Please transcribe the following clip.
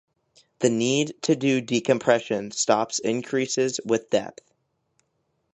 The need to do decompression stops increases with depth.